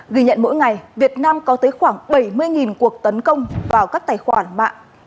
ghi nhận mỗi ngày việt nam có tới khoảng bảy mươi cuộc tấn công vào các tài khoản mạng